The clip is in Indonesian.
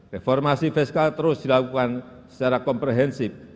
reformasi fiskal terus dilakukan secara komprehensif